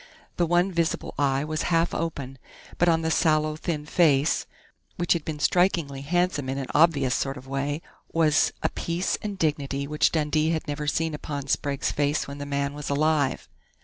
The one visible eye was half open, but on the sallow, thin face, which had been strikingly handsome in an obvious sort of way, was a peace and dignity which Dundee had never seen upon Sprague's face when the man was alive.